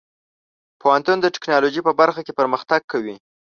پوهنتون د ټیکنالوژۍ په برخه کې پرمختګ کوي.